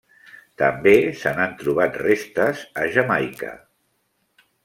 També se n'han trobat restes a Jamaica.